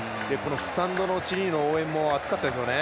スタンドのチリの応援も熱かったですよね。